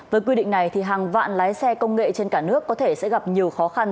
với quy định này hàng vạn lái xe công nghệ trên cả nước có thể sẽ gặp nhiều khó khăn